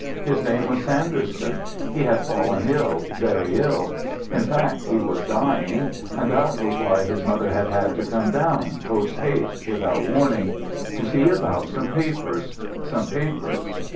His name was Sanderson. He had fallen ill, very ill. In fact, he was dying. And that was why his mother had had to come down, post haste, without warning. To see about some papers. Some papers.